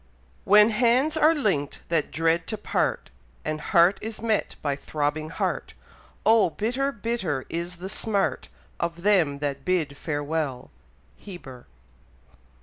When hands are link'd that dread to part, And heart is met by throbbing heart; Oh! bitter, bitter is the smart Of them that bid farewell. Heber.